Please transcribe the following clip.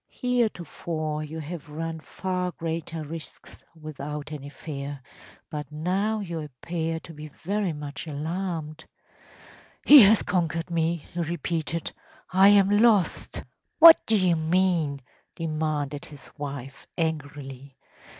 Heretofore you have run far greater risks without any fear, but now you appear to be very much alarmed.‚ÄĚ “He has conquered me!‚ÄĚ he repeated. “I am lost!‚ÄĚ “What do you mean?‚ÄĚ demanded his wife, angrily.